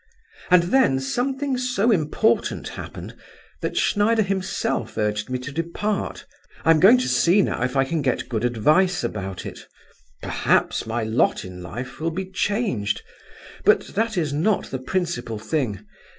And then something so important happened, that Schneider himself urged me to depart. I am going to see now if can get good advice about it. Perhaps my lot in life will be changed; but that is not the principal thing.